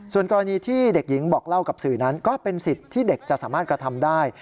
ส่วนกรณีที่เด็กหญิงบอกเล่ากับสื่อนั้นก็เป็นสิทธิ์ที่เด็กจะสามารถกระทำได้